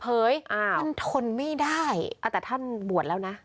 เอาหลังจากท่านบวชแล้วนะ